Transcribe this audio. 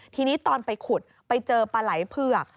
ทีนี้ตอนไปขุดไปเจอปลาไหล่เผือก